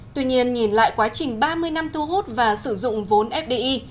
tuy nhiên nhìn lại quá trình ba mươi năm thu hút và sử dụng vốn fdi